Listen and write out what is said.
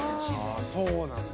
あそうなんだ。